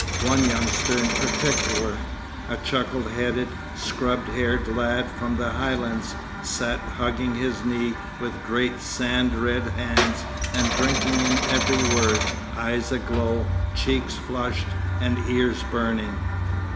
One youngster in particular, a chuckle headed, scrub haired lad from the Highlands, sat hugging his knee with great sand red hands and drinking in every word, eyes aglow, cheeks flushed, and ears burning.